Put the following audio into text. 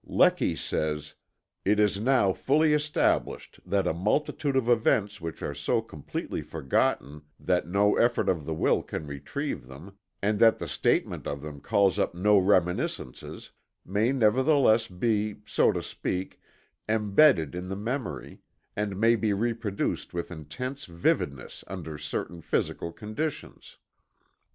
Lecky says: "It is now fully established that a multitude of events which are so completely forgotten that no effort of the will can revive them, and that the statement of them calls up no reminiscences, may nevertheless be, so to speak, embedded in the memory, and may be reproduced with intense vividness under certain physical conditions."